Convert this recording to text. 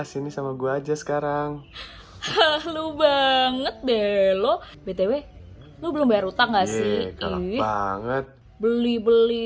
sini sama gua aja sekarang lu banget belo btw lu belum bayar hutang ngasih banget beli beli